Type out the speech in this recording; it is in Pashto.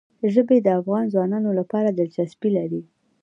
ژبې د افغان ځوانانو لپاره دلچسپي لري.